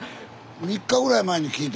３日ぐらい前に聞いたんや。